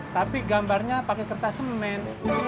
tapi gambarnya pakai kertas semen